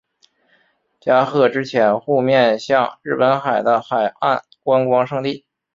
加贺之潜户面向日本海的海岸观光胜地。